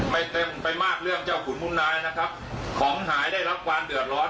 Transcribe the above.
เต็มไปมากเรื่องเจ้าขุนมุ่งนายนะครับของหายได้รับความเดือดร้อน